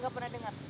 nggak pernah dengar